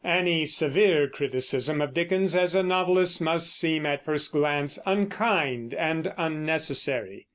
Any severe criticism of Dickens as a novelist must seem, at first glance, unkind an unnecessary.